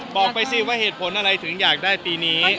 บอกไปสิว่าเหตุผลอะไรถึงอยากได้ปีนี้